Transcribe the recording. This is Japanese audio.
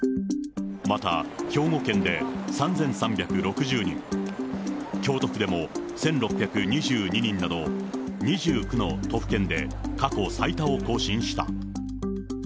また、兵庫県で３３６０人、京都府でも１６２２人など、２９の都府県で過去最多を更新した。